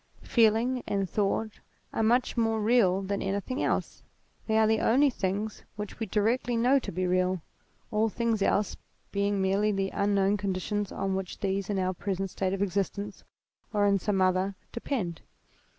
Feeling and thought are much more real than any thing else; they are the only things which we directly know to be real, all things else being merely the unknown conditions on which these, in our present state of existence or in some other, depend.